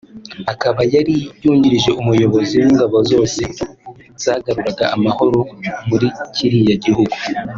akaba yari yungirije umuyobozi w’ingabo zose zagaruraga amahoro muri kiriya gihugu